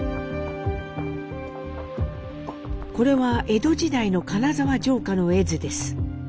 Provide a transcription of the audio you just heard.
これは江戸時代の金沢城下の絵図です。